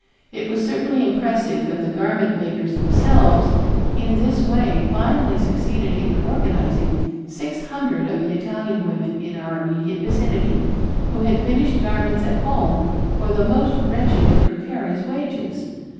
It was certainly impressive when the garment makers themselves in this way finally succeeded in organizing six hundred of the Italian women in our immediate vicinity, who had finished garments at home for the most wretched and precarious wages.